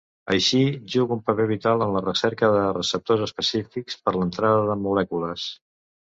Així, juga un paper vital en la recerca de receptors específics per l'entrada de molècules.